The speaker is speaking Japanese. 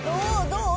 どう？